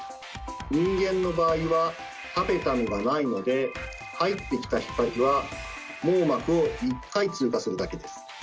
人間の場合はタペタムがないので入ってきた光は網膜を１回通過するだけです。